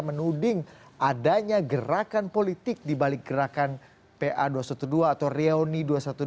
menuding adanya gerakan politik dibalik gerakan pa dua ratus dua belas atau reuni dua ratus dua belas